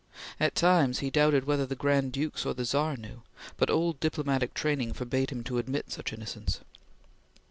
At times he doubted whether the Grand Dukes or the Czar knew, but old diplomatic training forbade him to admit such innocence.